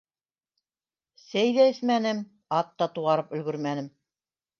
Сәй ҙә эсмәнем, ат та туғарып өлгөрмәнем.